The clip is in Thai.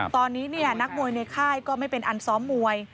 ตอนนี้นักมวยในค่ายก็ไม่เป็นอันซ้อมมวย